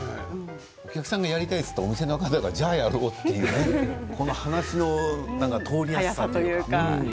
お客さんがやりたいと言ってお店の方がじゃあやろうっていうこの話の通りやすさというか。